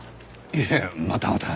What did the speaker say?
いやまたまた。